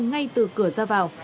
ngay từ cửa ra vào